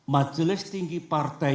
majelis tinggi partai